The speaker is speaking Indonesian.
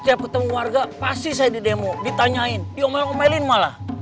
setiap ketemu warga pasti saya di demo ditanyain yuk malah omelin malah